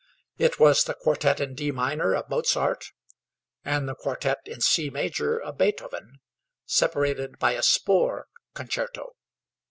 It was the quartette in D minor of Mozart, and the quartette in C major of Beethoven, separated by a Spohr concerto.